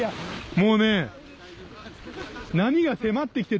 もうね。